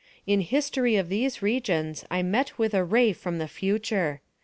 In history {*2} of these regions I met with a ray from the Future.